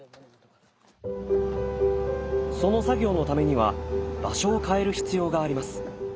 その作業のためには場所を変える必要があります。